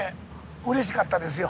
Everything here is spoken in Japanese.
うれしかったですよ